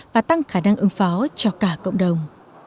và tăng khả năng ứng phó cho cả cộng đồng